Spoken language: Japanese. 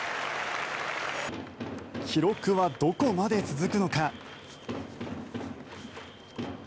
記録はどこまで続くのか。